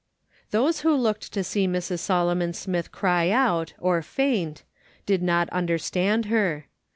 Those who looked to see Mrs. Solomon Smith cry out, or faint, did not understand her.